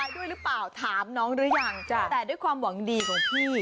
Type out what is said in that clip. สิทธิ์อัพแบบชิวยำเช้า